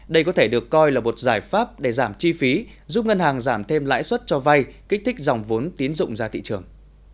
đây có thể được coi là một giải pháp để giảm chi phí giúp ngân hàng giảm thêm lãi suất cho vay kích thích dòng vốn tiến dụng ra thị trường